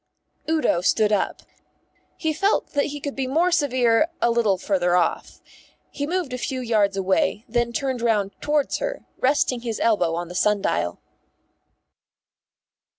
Udo stood up. He felt that he could be more severe a little farther off. He moved a few yards away, and then turned round towards her, resting his elbow on the sundial.